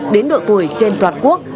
đến độ tuổi trên toàn quốc